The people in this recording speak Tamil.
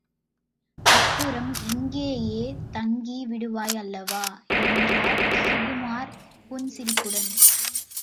அப்புறம் இங்கேயே தங்கி விடுவாய் அல்லவா? என்றார் சுகுமார் புன்சிரிப்புடன்.